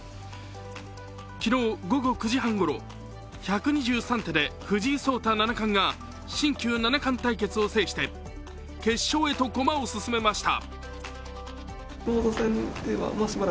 昨日午後９時半ごろ、１２３手で藤井聡太七冠が新旧七冠対決を制して決勝へとこまを進めました。